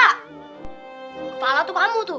kepala tuh kamu tuh